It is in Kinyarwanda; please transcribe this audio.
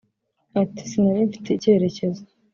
Ati "Sinari mfite icyerekezo